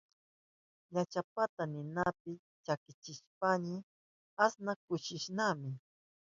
Llachapata ninapi chakichishpanchi asnan kushnisama.